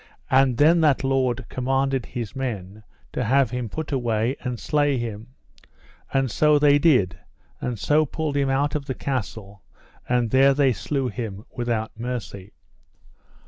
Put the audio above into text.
And then that lord commanded his men to have him away and slay him; and so they did, and so pulled him out of the castle, and there they slew him without mercy.